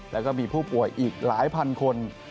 แล้วก็มีผู้ป่วยอีกหลายพันคน